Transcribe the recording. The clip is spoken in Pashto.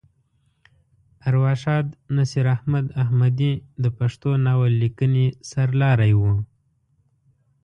ارواښاد نصیر احمد احمدي د پښتو ناول لیکنې سر لاری وه.